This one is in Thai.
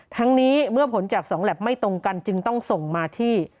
ทั้งนี้เมื่อผลจาก๒แล็บไม่ตรงกันจึงต้องส่งมาที่